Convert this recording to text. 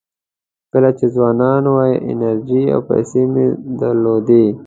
کله چې ځوانان وئ انرژي او پیسې مو درلودې.